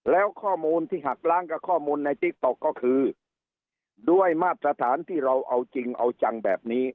แล้วข้อมูลที่หักล้างกับข้อมูลในติ๊กต๊อกก็คือด้วยมาตรฐานที่เราเอาจริงเอาจังแบบนี้